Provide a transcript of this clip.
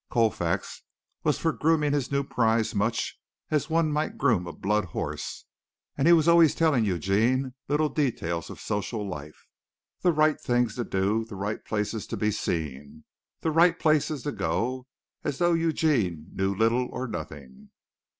Colfax was for grooming his new prize much as one might groom a blood horse, and he was always telling Eugene little details of social life, the right things to do, the right places to be seen, the right places to go, as though Eugene knew little or nothing.